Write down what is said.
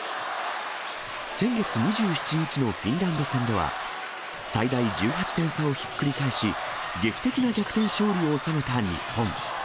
先月２７日のフィンランド戦では、最大１８点差をひっくり返し、劇的な逆転勝利を収めた日本。